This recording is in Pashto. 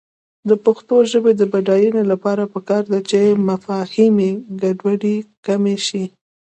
د پښتو ژبې د بډاینې لپاره پکار ده چې مفاهمې ګډوډي کمې شي.